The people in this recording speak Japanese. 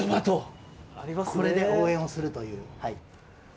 これで応援をするという。